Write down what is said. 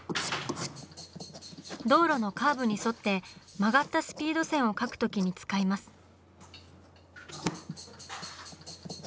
道路のカーブに沿って曲がったスピード線を描くときに使います。